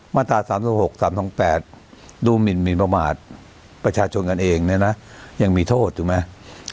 มาตรา๓๖๓๒๘ดูหมินประมาทประชาชนกันเองเนี่ยนะยังมีโทษถูกไหม